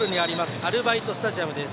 アルバイトスタジアムです。